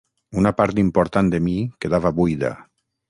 Una part important de mi quedava buida.